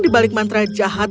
dibalik mantra jahat